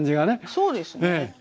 そうですね。